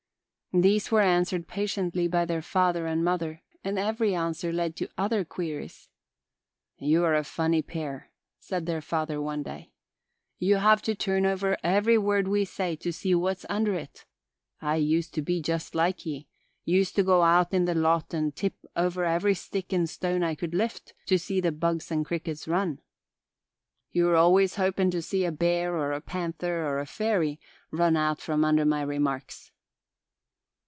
These were answered patiently by their father and mother and every answer led to other queries. "You're a funny pair," said their father one day. "You have to turn over every word we say to see what's under it. I used to be just like ye, used to go out in the lot and tip over every stick and stone I could lift to see the bugs and crickets run. You're always hopin' to see a bear or a panther or a fairy run out from under my remarks."